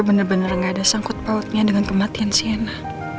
gue bener bener gak ada sangkut pautnya dengan kematian sienna